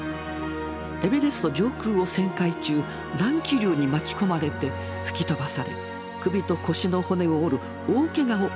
エベレスト上空を旋回中乱気流に巻き込まれて吹き飛ばされ首と腰の骨を折る大けがを負ったこともあります。